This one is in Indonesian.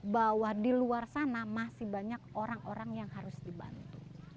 bahwa di luar sana masih banyak orang orang yang harus dibantu